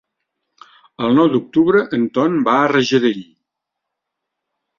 El nou d'octubre en Ton va a Rajadell.